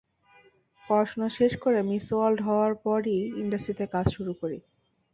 পড়াশোনা শেষ করে মিস ওয়ার্ল্ড হওয়ার পরই ইন্ডাস্ট্রিতে কাজ শুরু করি।